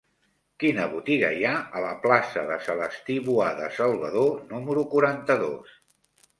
Quina botiga hi ha a la plaça de Celestí Boada Salvador número quaranta-dos?